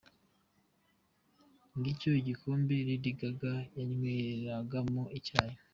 Ngicyo igikombe Lady Gaga yanyweragamo icyayi!.